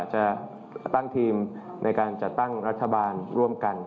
จะตั้งทีมในการจัดตั้งรัฐบาลร่วมกัน